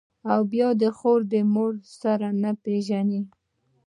او بيا خور و مور سره نه پېژني.